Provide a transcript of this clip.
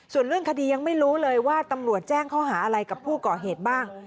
ส่วนเรื่องคดียังไม่รู้เลยว่าตำรวจแจ้งข้อหาอะไรกับผู้ก่อเหตุบ้าง